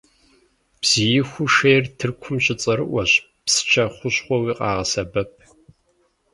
Бзииху шейр Тыркум щыцӏэрыӏуэщ, псчэ хущхъуэуи къагъэсэбэп.